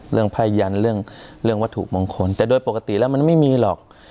พ่ายันเรื่องเรื่องวัตถุมงคลแต่โดยปกติแล้วมันไม่มีหรอก